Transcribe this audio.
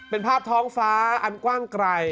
เป็นภาพท้องฟ้าอันกว้างไกล